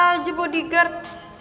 ini anak aja bodyguard